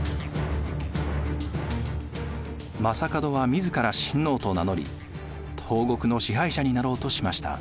将門は自ら新皇と名乗り東国の支配者になろうとしました。